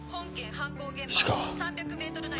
犯行現場３００ｍ内に。